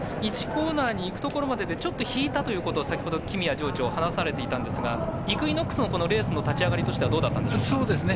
コーナーにいくところまでにちょっと引いたということを木實谷場長が話されていたんですがイクイノックスのレースの立ち上がりとしてはどうだったんですか？